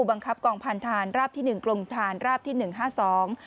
บังคับกองพันธานราบที่หนึ่งกรมฐานราบที่หนึ่งห้าสอง